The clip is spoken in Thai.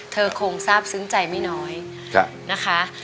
เธอคงทราบซึ้งใจไม่น้อยนะคะ